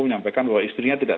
menyampaikan bahwa istrinya tidak